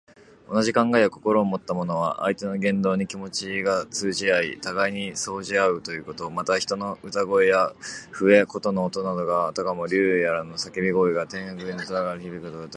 同じ考えや心をもった者は、相手の言動に気持ちが通じ合い、互いに相応じ合うということ。また、人の歌声や笛・琴の音などが、あたかも竜やとらのさけび声が天空にとどろき渡るように響くことをいう。